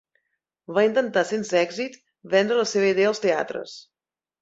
Va intentar sense èxit vendre la seva idea als teatres.